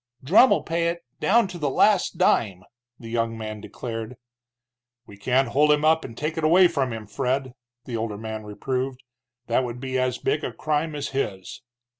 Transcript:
"Drumm'll pay it, down to the last dime!" the young man declared. "We can't hold him up and take it away from him, Fred," the older man reproved. "That would be as big a crime as his."